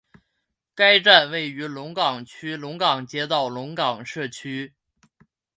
该站位于龙岗区龙岗街道龙岗社区。